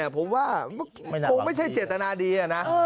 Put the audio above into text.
ผมว่าคงไม่ใช่เจตนาดีนะ